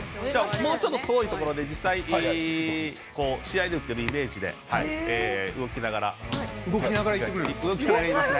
もうちょっと遠いところで試合で打っているイメージで動きながらいきますね。